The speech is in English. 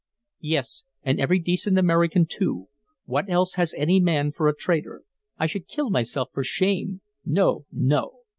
"Yes, and every decent American, too. What else has any man for a traitor? I should kill myself for shame. No, no!"